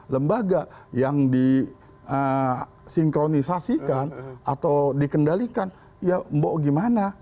lembaga yang disinkronisasikan atau dikendalikan ya mbok gimana